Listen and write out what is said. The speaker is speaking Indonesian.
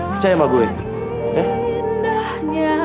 percayalah dengan saya